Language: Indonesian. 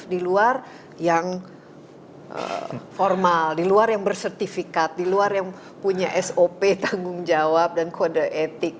diluar yang formal diluar yang bersertifikat diluar yang punya sop tanggung jawab dan kode etik